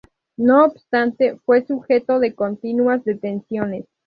No obstante, fue sujeto de continuas detenciones.